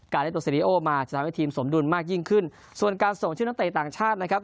ได้ตัวเซริโอมาจะทำให้ทีมสมดุลมากยิ่งขึ้นส่วนการส่งชื่อนักเตะต่างชาตินะครับ